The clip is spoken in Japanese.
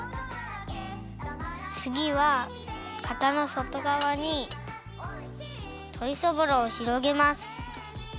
つぎはかたのそとがわにとりそぼろをひろげます。